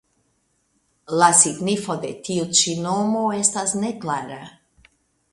La signifo de tiu ĉi nomo estas neklara.